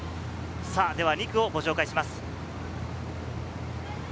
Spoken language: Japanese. では２区をご紹介します。